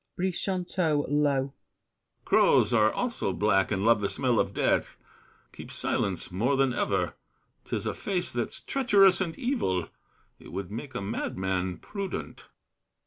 BRICHANTEAU (low). Crows Are also black and love the smell of death. Keep silence more than ever. 'Tis a face That's treacherous and evil; it would make A madman prudent.